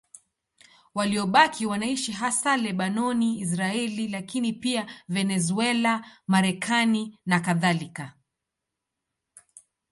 Waliobaki wanaishi hasa Lebanoni, Israeli, lakini pia Venezuela, Marekani nakadhalika.